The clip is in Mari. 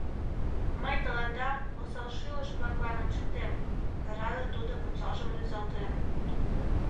— Мый тыланда, осалшӱлыш-влаклан, ончыктем! — карале тудо пычалжым рӱзалтен.